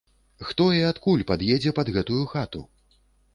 Хто і адкуль пад'едзе пад гэтую хату?